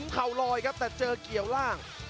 เขาลอยครับแต่เจอเกี่ยวล่าง